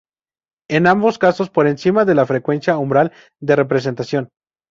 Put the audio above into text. En ambos casos por encima de la frecuencia umbral de representación.